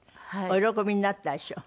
お喜びになったでしょ？